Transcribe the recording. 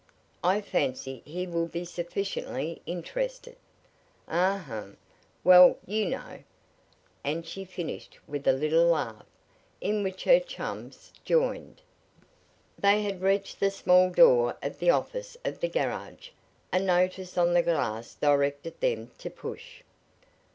I fancy he will be sufficiently interested ahem! well, you know " and she finished with a little laugh; in which her chums joined. They had reached the small door of the office of the garage. A notice on the glass directed them to "Push."